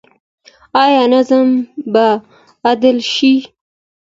آیا ظلم به عدل شي؟